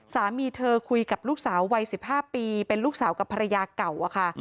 สามีเธอคุยกับลูกสาววัย๑๕ปีเป็นลูกสาวกับภรรยาเก่าอะค่ะ